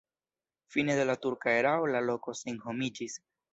Fine de la turka erao la loko senhomiĝis.